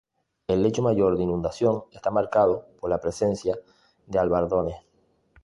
El lecho mayor de inundación está marcado por la presencia de albardones.